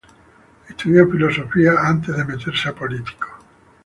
Estudió filosofía antes de meterse a político.